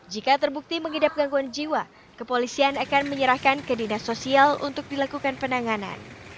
jika terbukti mengidap gangguan jiwa kepolisian akan menyerahkan ke dinas sosial untuk dilakukan penanganan